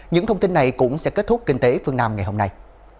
những thông tin này cũng sẽ kết thúc kinh tế phương nam ngày hôm nay